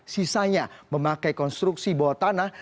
sisanya memakai konstruksi bawah tanah